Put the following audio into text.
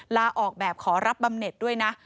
ลาออกแบบขอรับบำเน็ตด้วยนะ